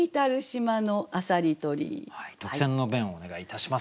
特選の弁をお願いいたします。